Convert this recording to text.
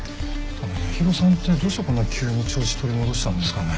八尋さんってどうしてこんな急に調子取り戻したんですかね？